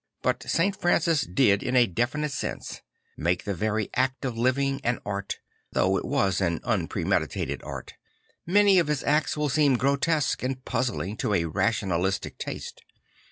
But St, Francis did in a definite sense make the very act of living an art, though it was an unpremeditated art. 1\1any of his acts vvill seem grotesque and puzzling to a rationalistic taste.